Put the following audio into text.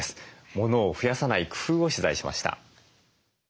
モノを増やさない工夫を取材しました。